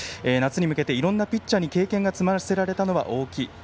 夏に向けていろんなピッチャーに経験を積ませられたのは大きい。